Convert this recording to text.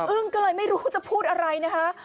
ก็เลยไม่รู้จะพูดอะไรนะคะ